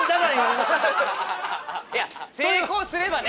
いや成功すればね。